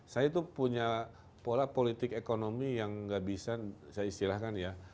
saya tuh punya pola politik ekonomi yang nggak bisa saya istilahkan ya